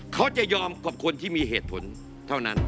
เขาจะยอมกับคนที่มีเหตุผลเท่านั้น